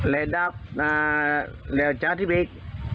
เละดาบอ่าแล้วเจ้าที่เบียก